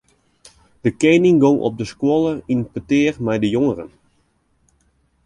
De kening gong op de skoalle yn petear mei de jongeren.